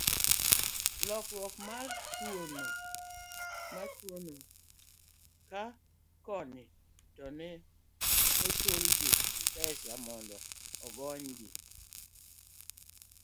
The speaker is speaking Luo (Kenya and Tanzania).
landruok mar tuwono, ka koni to ne ichulogi pesa mondo ogonygi.